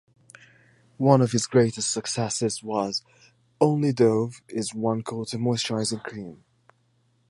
One of his greatest successes was "Only Dove is one-quarter moisturizing cream".